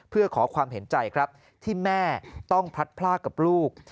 เพื่อขอความเห็นใจครับที่แม่ต้องพลัดพลากกับลูก